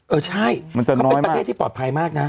เออใช่มันจะน้อยมากเป็นประเทศที่ปลอดภัยมากนะ